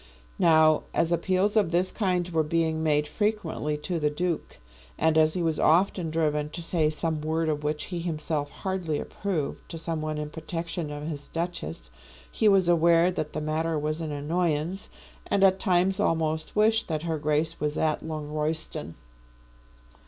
Now as appeals of this kind were being made frequently to the Duke, and as he was often driven to say some word, of which he himself hardly approved, to some one in protection of his Duchess, he was aware that the matter was an annoyance, and at times almost wished that her Grace was at Longroyston.